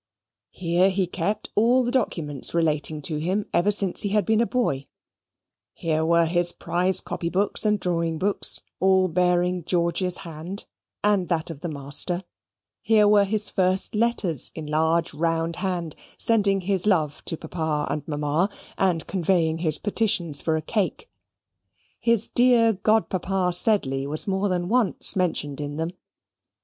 Here he kept all the documents relating to him ever since he had been a boy: here were his prize copy books and drawing books, all bearing George's hand, and that of the master: here were his first letters in large round hand sending his love to papa and mamma, and conveying his petitions for a cake. His dear godpapa Sedley was more than once mentioned in them.